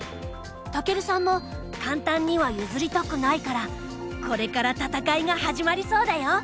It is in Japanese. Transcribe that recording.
威さんも簡単には譲りたくないからこれから戦いが始まりそうだよ。